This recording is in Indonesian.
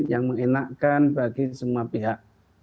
yang mengenakan bagi semua pihak